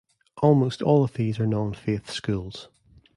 Almost all of these are non-faith schools.